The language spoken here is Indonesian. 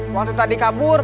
waktu tadi kabur